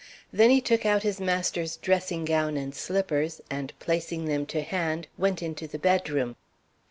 Then he took out his master's dressing gown and slippers, and, placing them to hand, went into the bedroom.